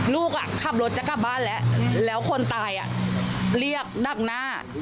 ลูกขับรถจะกลับบ้านแล้วแล้วคนตายเรียกดักหน้า